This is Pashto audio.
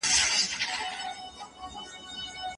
رسول اکرم صلی الله عليه وسلم څه فرمايلي دي؟